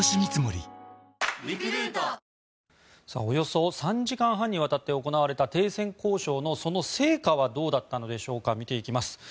およそ３時間半にわたって行われた停戦交渉のその成果はどうだったのでしょうか見ていきます。